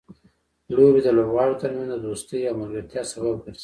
لوبې د لوبغاړو ترمنځ دوستۍ او ملګرتیا سبب ګرځي.